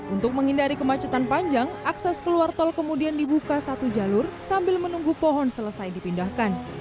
untuk menghindari kemacetan panjang akses keluar tol kemudian dibuka satu jalur sambil menunggu pohon selesai dipindahkan